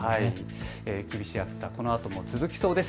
厳しい暑さはこのあとも続きそうです。